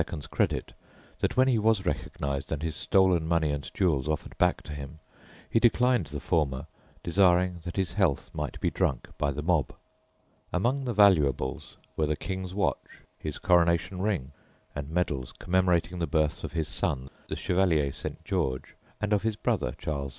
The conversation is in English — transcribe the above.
's credit, that when he was recognised and his stolen money and jewels offered back to him, he declined the former, desiring that his health might be drunk by the mob. Among the valuables were the King's watch, his coronation ring, and medals commemorating the births of his son the Chevalier St. George and of his brother Charles II.